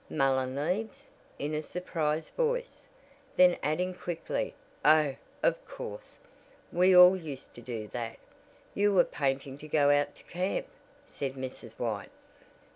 "Mullen leaves," in a surprised voice, then adding quickly, "Oh, of course, we all used to do that. You were painting to go out to camp," said Mrs. White.